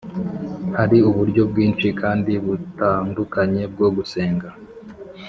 Hari uburyo bwinshi kandi butandukanye bwo gusenga